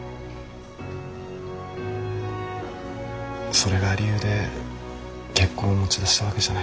それが理由で結婚を持ち出したわけじゃない。